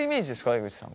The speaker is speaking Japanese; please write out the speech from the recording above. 江口さん